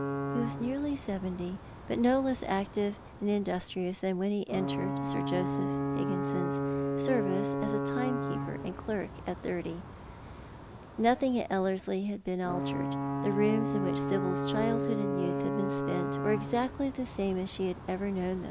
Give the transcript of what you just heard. He was nearly seventy, but no less active and in dustrious than when he catered Joseph Kigginson's service as timekeeper and clerk at thirty. Nothing at Ellerslie had been altered. The rooms in which Sibyl's childhood and youth had Ky!U spent were exactly as she had known tb.